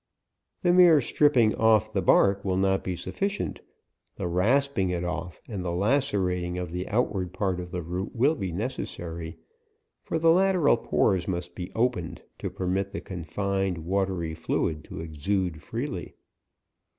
The mere stripping off the bark will not be sufficient ; the rasping it off, and the lacerating of the outward part of the root will be necessary ; for the lateral pores must be opened, to per mit the confined watery fluid to exude free ly.